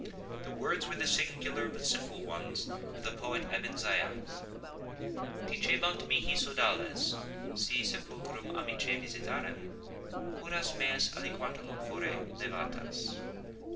The words were the singular but simple ones of the poet Ebn Zaiat:—"Dicebant mihi sodales si sepulchrum amicae visitarem, curas meas aliquantulum fore levatas."